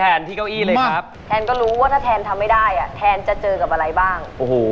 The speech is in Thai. อันนี้คือพ่อภูมิของที่ต่าง